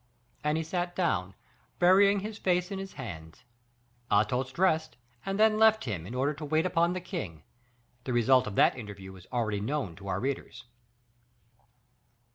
And he sat down, burying his face in his hands. Athos dressed, and then left him, in order to wait upon the king; the result of that interview is already known to our readers.